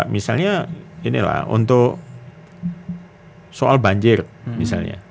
misalnya ini lah untuk soal banjir misalnya